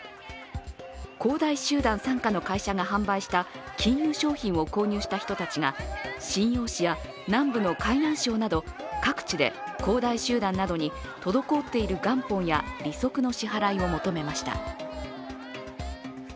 恒大集団傘下の会社が販売した金融商品を購入した人たちが瀋陽市や南部の海南省など各地で恒大集団などに滞っている元本や利息の支払いを求めました。